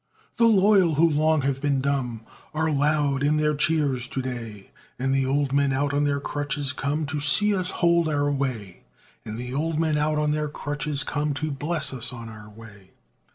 The loyal, who long have been dumb, Are loud in their cheers to day; And the old men out on their crutches come, To see us hold our way; And the old men out on their crutches come, To bless us on our way.